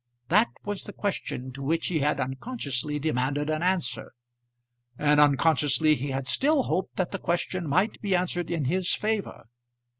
That was the question to which he had unconsciously demanded an answer; and unconsciously he had still hoped that the question might be answered in his favour.